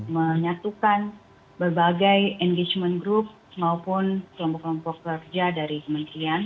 menyatukan berbagai engagement group maupun kelompok kelompok kerja dari kementerian